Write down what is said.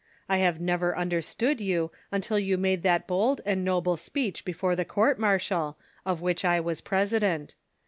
I have never imderstood you until you made that bold and noble speech before the court martial, of wliich I was president.